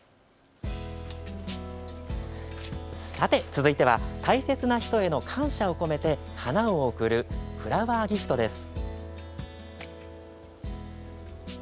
続いては大切な人への感謝を込めて花を贈るフラワーギフトです。